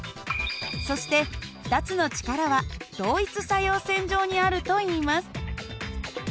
そして２つの力は同一作用線上にあるといいます。